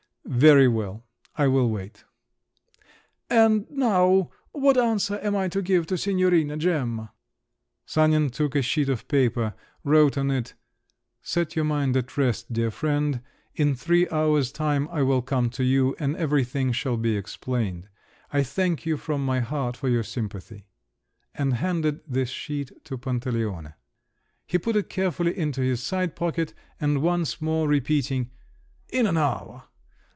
"Very well; I will wait." "And now … what answer am I to give to Signorina Gemma?" Sanin took a sheet of paper, wrote on it, "Set your mind at rest, dear friend; in three hours' time I will come to you, and everything shall be explained. I thank you from my heart for your sympathy," and handed this sheet to Pantaleone. He put it carefully into his side pocket, and once more repeating "In an hour!"